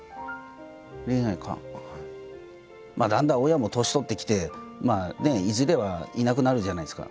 だんだん親も年取ってきていずれはいなくなるじゃないですか。